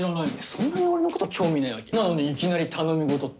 そんなに俺のこと興味ないわけ？なのにいきなり頼み事って！